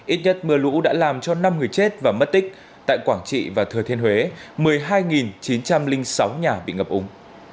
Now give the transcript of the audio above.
ít nhất mưa lũ đã làm cho năm người chết và mất tích tại quảng trị và thừa thiên huế một mươi hai chín trăm linh sáu nhà bị ngập úng